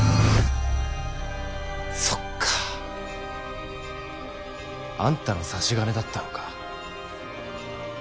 そっかあんたの差し金だったのか。